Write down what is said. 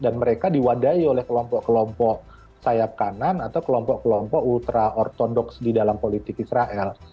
dan mereka diwadahi oleh kelompok kelompok sayap kanan atau kelompok kelompok ultra ortodoks di dalam politik israel